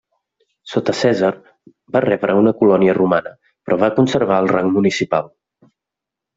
Sota Cèsar va rebre una colònia romana però va conservar el rang municipal.